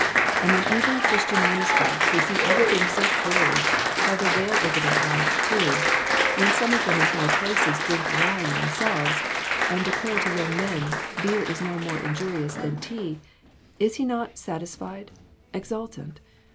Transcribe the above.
And when even Christian ministers, who see other things so clearly, have the veil over their eyes, too, when some of them in high places drink wine, themselves, and declare to young men 'Beer is no more injurious than tea,' is he not satisfied, exultant